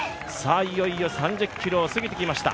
いよいよ３０ｋｍを過ぎてきました。